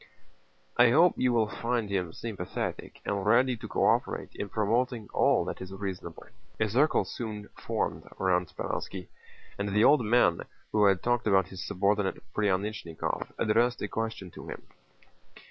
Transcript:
"I hope you will find him sympathetic and ready to co operate in promoting all that is reasonable." A circle soon formed round Speránski, and the old man who had talked about his subordinate Pryánichnikov addressed a question to him.